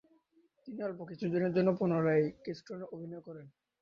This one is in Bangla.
তিনি অল্প কিছুদিনের জন্য পুনরায় কিস্টোনে অভিনয় করেন।